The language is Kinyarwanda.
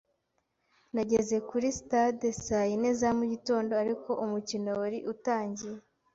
Nageze kuri stade saa yine za mugitondo, ariko umukino wari utangiye.